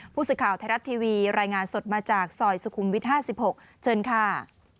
ผู้สื่อข่าวไทยรัฐทีวีรายงานสดมาจากซอยสุขุมวิท๕๖เชิญค่ะ